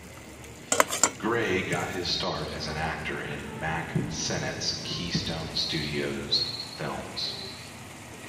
Grey got his start as an actor in Mack Sennett's Keystone Studios films.